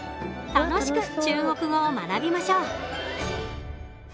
楽しく中国語を学びましょう。